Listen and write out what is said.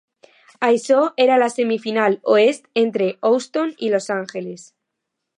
Això era la semifinal oest entre Houston i Los Angeles.